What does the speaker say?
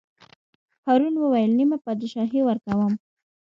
هارون وویل: نیمه بادشاهي ورکووم.